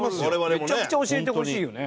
めちゃくちゃ教えてほしいよね。